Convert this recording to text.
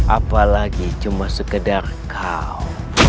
apalagi cuma sekedar kau